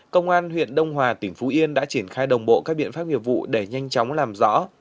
công an huyện đông hòa tỉnh phú yên đã triển khai đồng bộ các biện pháp nghiệp vụ để nhanh chóng làm rõ